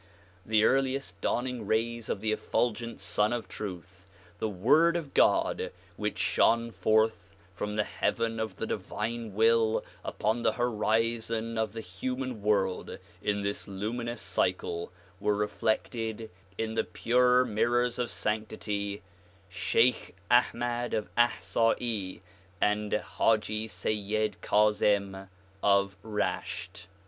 The earliest dawning rays of the effulgent Sun of Truth, the Word of God which shone forth from the heaven of the divine will upon the horizon of the human world in this luminous cycle were reflected in the pure mirrors of sanctity Sheikh Ahmad of Ahsai and Haji Seyd Kazim of Resht.